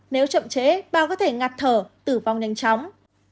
nhiều người chế bao có thể ngặt thở tử vong nhanh chóng